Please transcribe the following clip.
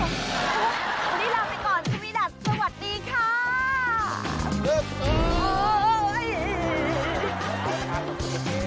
วันนี้ลาไปก่อนสวัสดีค่ะ